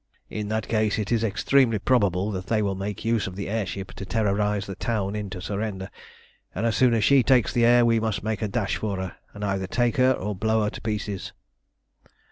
In that case it is extremely probable that they will make use of the air ship to terrorise the town into surrender, and as soon as she takes the air we must make a dash for her, and either take her or blow her to pieces."